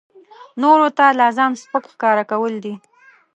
نورو ته لا ځان سپک ښکاره کول دي.